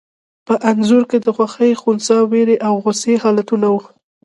په انځور کې د خوښي، خنثی، وېرې او غوسې حالتونه وو.